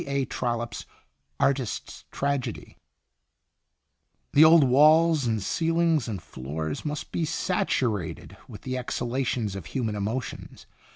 A. Trollope's "Artist's Tragedy:" " The old walls and ceilings and floors must be sat urated with the exhalations of human emotions!